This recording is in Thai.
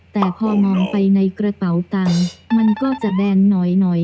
แต่พอมองไปในกระเป๋าตังค์มันก็จะแบนหน่อย